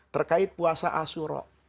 terkait puasa asuro